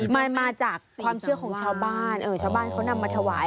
มาจากความเชื่อของชาวบ้านชาวบ้านเขานำมาถวาย